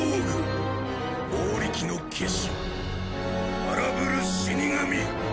暴力の化身荒ぶる死神！